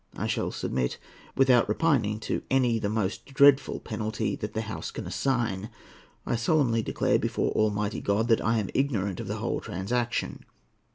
I shall submit without repining to any the most dreadful penalty that the House can assign. I solemnly declare before Almighty God that I am ignorant of the whole transaction.